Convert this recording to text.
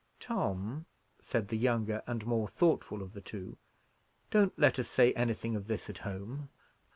"Tom," said the younger and more thoughtful of the two, "don't let us say anything of this at home."